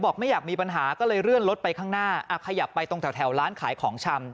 ไม่อยากมีปัญหาก็เลยเลื่อนรถไปข้างหน้าขยับไปตรงแถวร้านขายของชำ